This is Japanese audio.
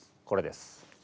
これです。